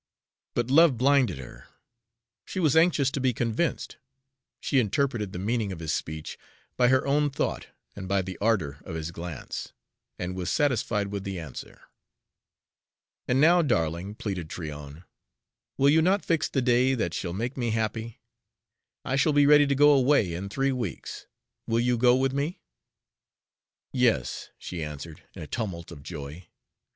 But love blinded her. She was anxious to be convinced. She interpreted the meaning of his speech by her own thought and by the ardor of his glance, and was satisfied with the answer. "And now, darling," pleaded Tryon, "will you not fix the day that shall make me happy? I shall be ready to go away in three weeks. Will you go with me?" "Yes," she answered, in a tumult of joy.